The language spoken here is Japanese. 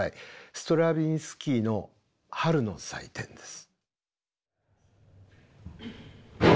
ストラヴィンスキーの「春の祭典」です。